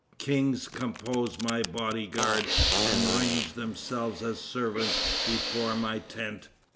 Kings compose my body guard, and range themselves as servants before my tent.